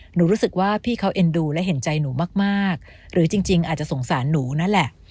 รู้สึกว่าพี่เขาเอ็นดูและเห็นใจหนูมากหรือจริงอาจจะสงสารหนูนั่นแหละ